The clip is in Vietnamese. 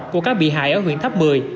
của các bị hại ở huyện tháp một mươi